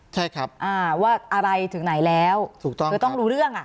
ใช่ครับอ่าว่าอะไรถึงไหนแล้วถูกต้องคือต้องรู้เรื่องอ่ะ